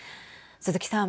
鈴木さん。